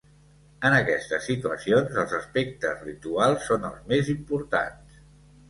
En aquestes situacions, els aspectes rituals són els més importants.